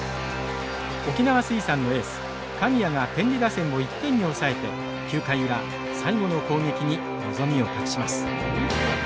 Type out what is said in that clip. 沖縄水産のエース神谷が天理打線を１点に抑えて９回裏最後の攻撃に望みを託します。